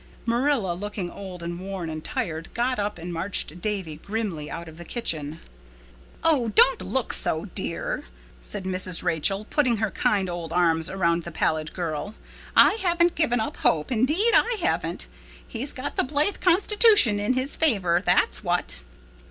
Marilla, looking old and worn and tired, got up and marched Davy grimly out of the kitchen. "Oh, don't look so, dear," said Mrs. Rachel, putting her kind old arms about the pallid girl. "I haven't given up hope, indeed I haven't. He's got the Blythe constitution in his favor, that's what."